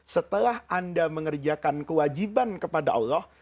setelah anda mengerjakan kewajiban kepada allah